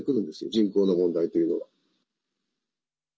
人口の問題というのは。